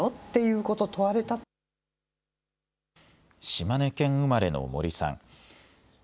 島根県生まれの森さん。